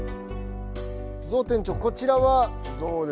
こちらは？